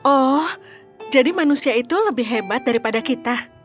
oh jadi manusia itu lebih hebat daripada kita